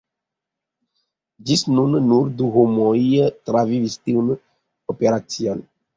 Ĝis nun nur du homoj travivis tiun operacion!